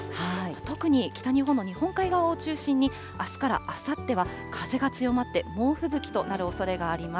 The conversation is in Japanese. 特に北日本の日本海側を中心に、あすからあさっては風が強まって、猛吹雪となるおそれがあります。